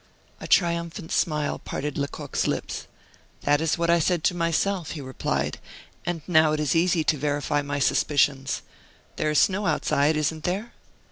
A triumphant smile parted Lecoq's lips. "That is what I said to myself," he replied, "and now it is easy to verify my suspicions. There is snow outside, isn't there?"